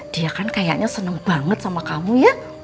dia kan kayaknya seneng banget sama kamu ya